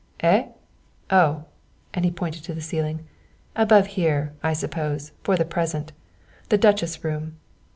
"Eh oh," and he pointed to the ceiling. "Above here, I suppose, for the present the Duchess room.